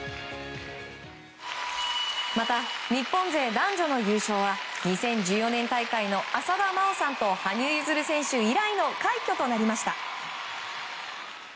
また、日本勢男女の優勝は２０１４年大会の浅田真央さんと羽生結弦選手以来の快挙となりました。